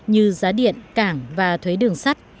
như giá điện cảng và thuế đường sắt